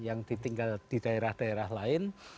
yang ditinggal di daerah daerah lain